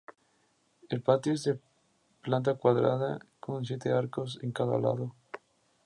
El patio es de planta cuadrada, con siete arcos en cada lado.